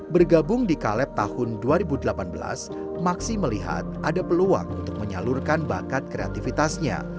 bergabung di caleb tahun dua ribu delapan belas maksi melihat ada peluang untuk menyalurkan bakat kreativitasnya